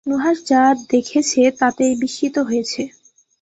নুহাশ যা দেখছে তাতেই বিস্মিত হচ্ছে।